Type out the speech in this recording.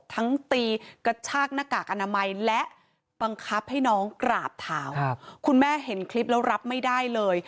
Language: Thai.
ตีกระชากหน้ากากอนามัยและบังคับให้น้องกราบเท้าคุณแม่เห็นคลิปแล้วรับไม่ได้เลย